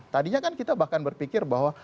tadinya kan kita bahkan berpikir bahwa